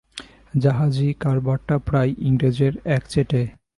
জাহাজী কারবারটা প্রায় ইংরেজের একচেটে।